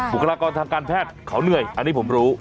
คลากรทางการแพทย์เขาเหนื่อยอันนี้ผมรู้